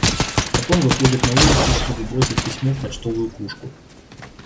Потом выходит на улицу, чтобы бросить письмо в почтовую кружку.